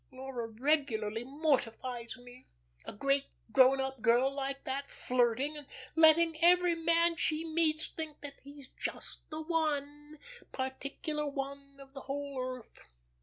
Laura regularly mortifies me; a great, grown up girl like that, flirting, and letting every man she meets think that he's just the one particular one of the whole earth.